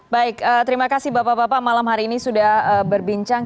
baik terima kasih bapak bapak malam hari ini sudah berbincang